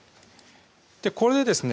これでですね